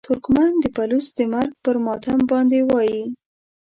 ترکمن د بلوڅ د مرګ پر ماتم باندې وایي.